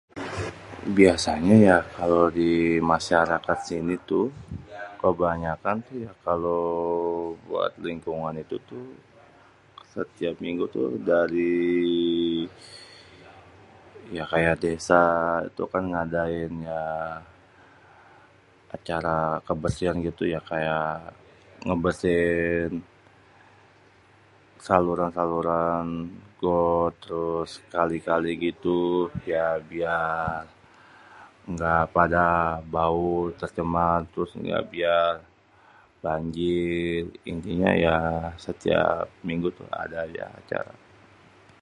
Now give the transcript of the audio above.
biasanyé ya kalau di masyarakat sini tuh kebanyakan tuh ya kalau buat lingkungan itu tuh setiap minggu tuh dari, ya, kaya desa itu kan ngadain, ya, acara kebersihan gitu ya kaya ngebersihin saluran-saluran got terus kali-kali gitu ya biar dia ga pada bau, tercemar terus biar éngga biar banjir, intinya, ya, setiap minggu tuh ada aja acara.